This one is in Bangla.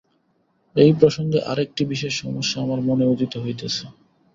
এই প্রসঙ্গে আর একটি বিশেষ সমস্যা আমার মনে উদিত হইতেছে।